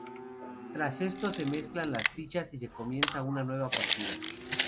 Tras esto, se mezclan las fichas, y se comienza una nueva partida.